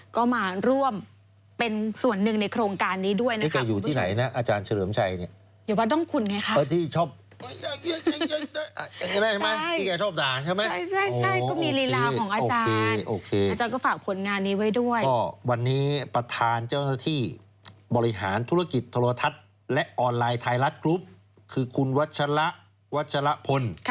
ก็มาร่วมเป็นสี่เหลืองในโครงการนี้ด้วยวันนี้ประทานเจ้าที่บริหารธุรกิจธรรมธรรมทัศน์และออนไลน์ไทยรัฐรุกลุ๊ปคือคุณวัตชะละวัตชะละพล